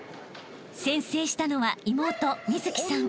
［先制したのは妹美月さん］